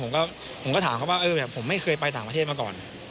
ผมก็ถามเขาว่าแบบผมไม่เคยไปต่างประเทศมาก่อน